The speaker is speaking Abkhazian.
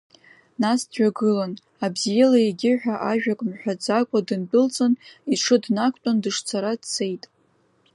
Нас дҩагылан, абзиала егьи ҳәа ажәак мҳәаӡакәа дындәылҵын, иҽы днақәтәан, дышцара дцеит.